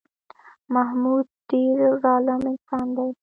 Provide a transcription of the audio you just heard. محمود ډېر ظالم انسان دی